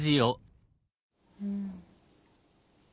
うん。